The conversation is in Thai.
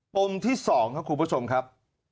ปุ่มที่สองครับคุณผู้ชมครับ